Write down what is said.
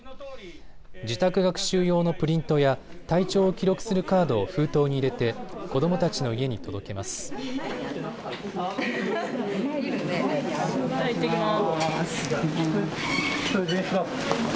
自宅学習用のプリントや体調を記録するカードを封筒に入れて子どもたちの家に届けます。